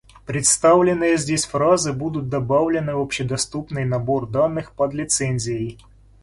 Представленные здесь фразы будут добавлены в общедоступный набор данных под лицензией